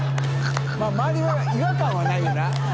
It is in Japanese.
泙周りは違和感はないよな。